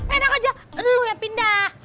enak aja lu yang pindah